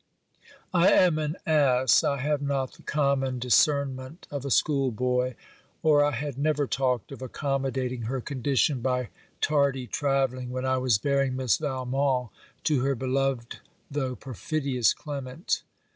I am an ass, I have not the common discernment of a school boy, or I had never talked of accommodating her condition by tardy travelling when I was bearing Miss Valmont to her beloved though perfidious Clement.